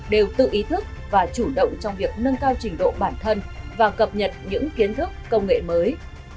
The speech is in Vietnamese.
đều tự ý thức và chủ động trong việc nâng cao trình độ bản thân và cập nhật những kiến thức công nghệ mới